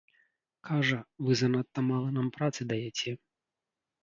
Кажа, вы занадта мала нам працы даяце.